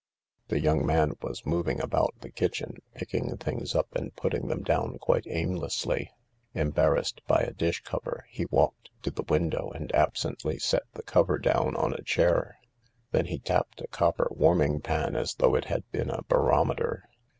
The young man was moving about the kitchen, picking things up and putting them down quite aimlessly. Em barrassed by a dish cover, he walked to the window and absently set the cover down on a chair. Then he tapped a copper warming pan as though it had been a barometer.